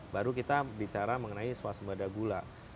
baru kita bicara mengenai swasembada gula